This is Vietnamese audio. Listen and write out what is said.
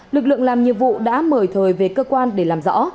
lực lượng làm nhiệm vụ đã mời thời về cơ quan để làm rõ